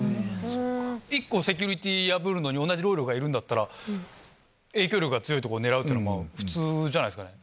一個セキュリティ破るのに同じ労力がいるんだったら、影響力が強いところを狙うっていうのは、普通じゃないですかね。